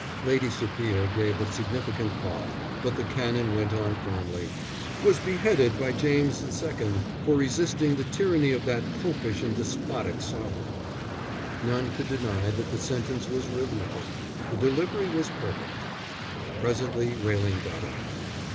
Lady Sophia gave a significant cough, but the Canon went on firmly, "was beheaded by James II for resisting the tyranny of that Popish and despotic sovereign." None could deny that the sentence was rhythmical. The delivery was perfect. Presently Railing got up.